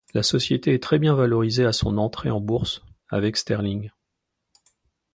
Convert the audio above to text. La société est très bien valorisée à son entrée en Bourse, avec sterling.